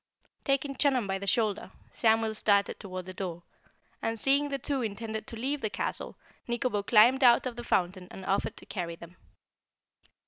Taking Chunum by the shoulder, Samuel started toward the door, and seeing the two intended to leave the castle, Nikobo climbed out of the fountain and offered to carry them.